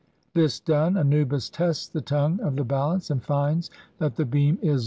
This done, Anubis tests the tongue of the balance, and finds that the beam is CIV INTRODUCTION.